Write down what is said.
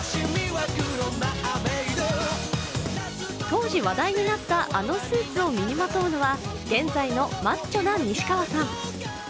当時話題になったあのスーツを身にまとうのは現在のマッチョな西川さん。